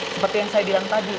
seperti yang saya bilang tadi